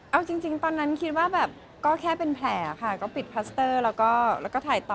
เอาจริงตอนนั้นคิดว่าแบบก็แค่เป็นแผลค่ะก็ปิดพัสเตอร์แล้วก็ถ่ายต่อ